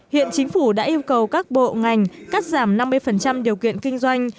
hiện chính phủ đã yêu cầu các bộ ngành cắt giảm năm mươi điều kiện kinh doanh